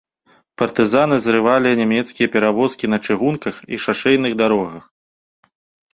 Партызаны зрывалі нямецкія перавозкі на чыгунках і шашэйных дарогах.